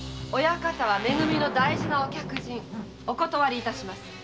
親方は「め組」の大事なお客人お断り致します！